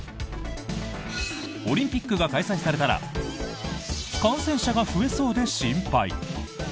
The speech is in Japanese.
オリンピックが開催されたら感染者が増えそうで心配。